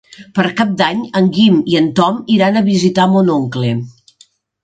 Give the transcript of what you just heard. Per Cap d'Any en Guim i en Tom iran a visitar mon oncle.